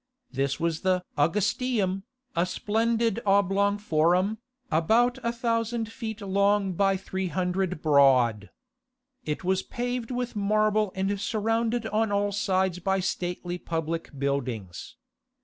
This was the "Augustaeum," a splendid oblong forum, about a thousand feet long by three hundred broad. It was paved with marble and surrounded on all sides by stately public buildings.